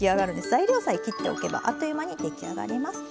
材料さえ切っておけばあっという間に出来上がります。